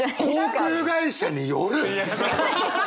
航空会社による！